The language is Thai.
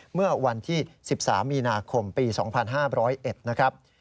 เมื่อวันที่๑๓มีนาคมปี๒๕๐๑นะครับ